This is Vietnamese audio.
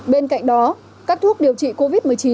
bên cạnh đó các thuốc điều trị covid một mươi chín